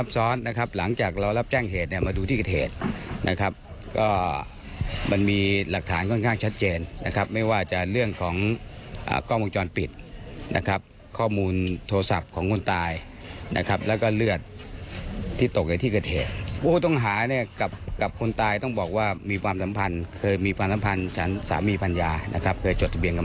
สามีพัญญานะครับเคยจดทะเบียงกันมาก่อน